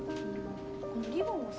このリボンをさ